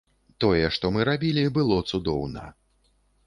Тое, што мы рабілі, было цудоўна.